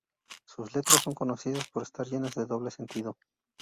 Sus letras son conocidas por estar llenas de doble sentido.